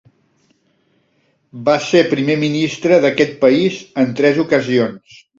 Va ser primer ministre d'aquest país en tres ocasions.